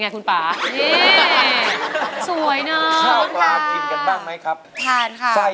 ไม่ทำอะไรก็คลอย